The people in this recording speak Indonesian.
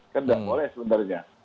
kan nggak boleh sebenarnya